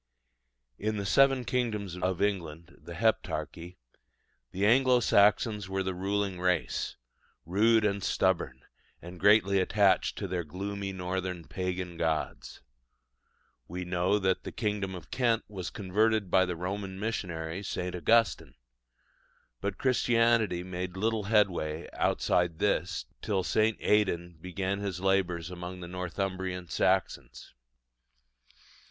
In the seven kingdoms of England the Heptarchy the Anglo Saxons were the ruling race, rude and stubborn, and greatly attached to their gloomy northern pagan gods. We know that the kingdom of Kent was converted by the Roman missionary St. Augustine; but Christianity made little headway outside this till St. Aidan began his labours among the Northumbrian Saxons.